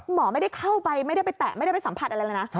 หมอไม่ได้เข้าไปไม่ได้ไปแตะไม่ได้ไปสัมผัสอะไรเลยนะ